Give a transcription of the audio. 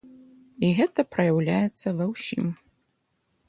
І гэта праяўляецца ва ўсім.